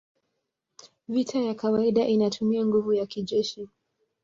Vita ya kawaida inatumia nguvu ya kijeshi